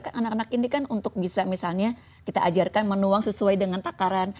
kan anak anak ini kan untuk bisa misalnya kita ajarkan menuang sesuai dengan takaran